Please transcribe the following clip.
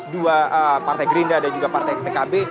dua partai gerinda dan juga partai pkb